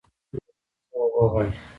ګرمي څه اوبه غواړي؟